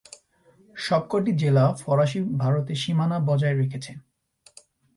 সবকটি জেলা ফরাসি ভারতে সীমানা বজায় রেখেছে।